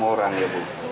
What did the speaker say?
enam orang ya bu